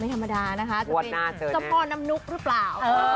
ไม่ธรรมดานะคะจะเป็นกระป่อนน้ำนุกหรือเปล่า